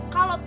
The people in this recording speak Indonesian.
kalau tuh gini